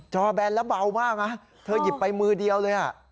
แบนแล้วเบามากนะเธอหยิบไปมือเดียวเลย